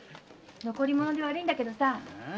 残り物で悪いんだけどさ